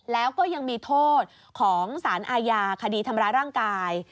แล้วก็ยังมีโทษของสารอาญาคดีทำร้ายร่างกาย